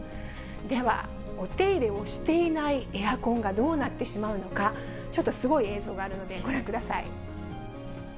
では、お手入れをしていないエアコンがどうなってしまうのか、ちょっとすごい映像があるので、ご覧ください。